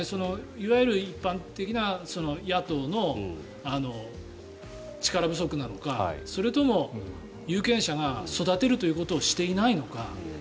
いわゆる一般的な野党の力不足なのかそれとも有権者が育てるということをしていないのか。